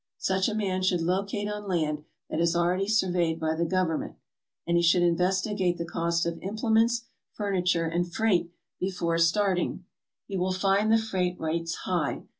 Such a man should locate on land that is already surveyed by the Government, and he should investigate the cost of implements, furniture, and freight before start ing. He will find the freight rates high.